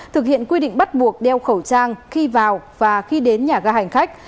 thực hiện quy định bắt buộc đeo khẩu trang khi vào và khi đến nhà ga hành khách